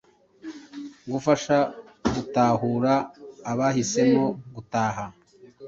gufasha gutahura abahisemo gutaha